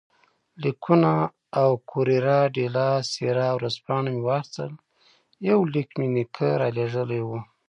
لیکونه او کوریره ډیلا سیرا ورځپاڼه مې واخیستل، یو لیک مې نیکه رالېږلی وو.